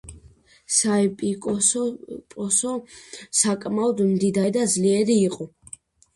საეპისკოპოსო საკმაოდ მდიდარი და ძლიერი იყო.